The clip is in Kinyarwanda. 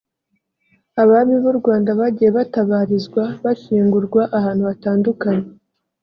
Abami b’u Rwanda bagiye batabarizwa(bashyingurwa) ahantu hatandukanye